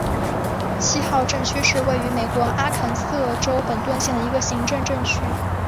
七号镇区是位于美国阿肯色州本顿县的一个行政镇区。